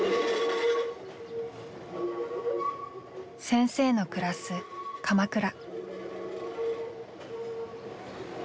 先生の暮らす鎌倉。